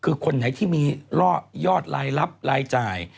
คือคนไหนที่มีล่อยอดรายลับรายจ่าย